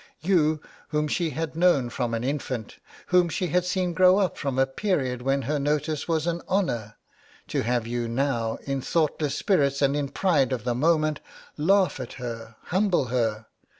'You, whom she had known from an infant, whom she had seen grow up from a period when her notice was an honour, to have you now, in thoughtless spirits and in the pride of the moment, laugh at her, humble her....